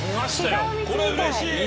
これうれしい。